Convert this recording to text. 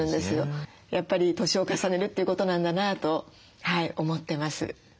やっぱり年を重ねるっていうことなんだなと思ってます。